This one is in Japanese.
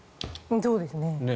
そうですね。